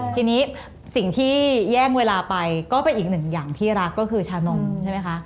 ทีนี้สิ่งที่แย่งเวลาไปก็เป็นอีกหนึ่งอย่างที่รักก็คือชานมใช่ไหมคะ